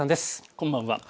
こんばんは。